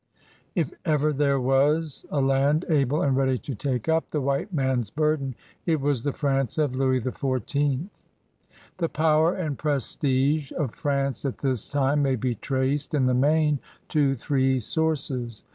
If ever there was a land able and ready to take up the white man's burden, it was the France of Louis XIV. The power and prestige of France at this time may be traced, in the main, to three sources.